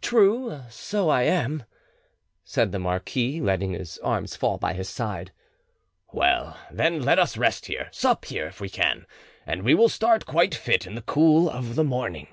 "True, so I am," said the marquis, letting his arms fall by his side. "Well, then, let us rest here, sup here, if we can, and we will start quite fit in the cool of the morning."